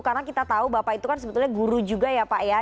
karena kita tahu bapak itu kan sebetulnya guru juga ya pak ya